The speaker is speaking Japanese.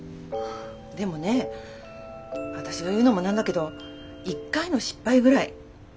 でもね私が言うのも何だけど一回の失敗ぐらい何てことないわよ。